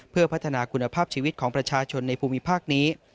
เพื่อพัฒนาคุณภาพชีวิตของประชาชนในภูมิภาคนี้